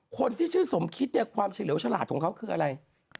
คนที่ชื่อสมคิดเนี่ยความเฉลี่ยวฉลาดของเขาคืออะไร